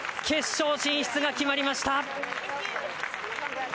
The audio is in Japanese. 決勝進出が決まりました。